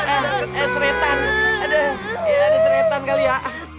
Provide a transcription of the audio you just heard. ada seretan ada seretan kali ya